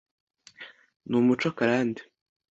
ni umuco karande